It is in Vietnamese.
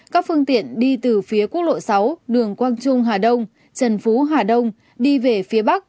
các phương tiện đi từ phía quốc lộ sáu đường quang trung hà đông trần phú hà đông đi về phía bắc